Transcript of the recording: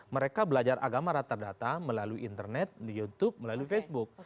mereka belajar agama rata rata melalui internet di youtube melalui facebook